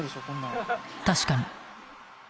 ［確かに］